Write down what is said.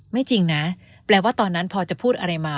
จริงนะแปลว่าตอนนั้นพอจะพูดอะไรมา